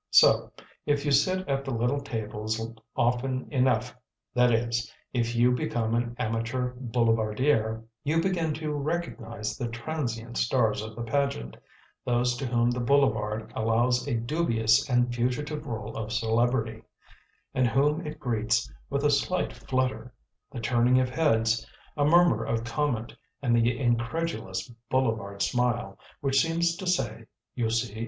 So, if you sit at the little tables often enough that is, if you become an amateur boulevardier you begin to recognise the transient stars of the pageant, those to whom the boulevard allows a dubious and fugitive role of celebrity, and whom it greets with a slight flutter: the turning of heads, a murmur of comment, and the incredulous boulevard smile, which seems to say: "You see?